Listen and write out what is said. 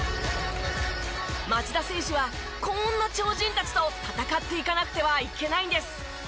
町田選手はこんな超人たちと戦っていかなくてはいけないんです。